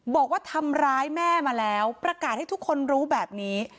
บอกว่าทำร้ายแม่มาแล้วประกาศให้ทุกคนรู้แบบนี้